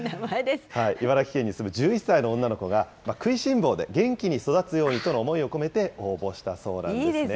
茨城県に住む１１歳の女の子が、食いしん坊で元気に育つようにとの思いを込めて応募したそうなんですね。